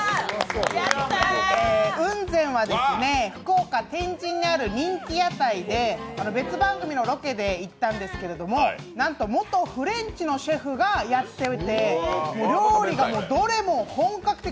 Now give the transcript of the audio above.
雲仙はですね、福岡・天神にある人気屋台で別番組のロケで行ったんですけれども、なんと元フレンチのシェフがやっていて料理がどれも本格的。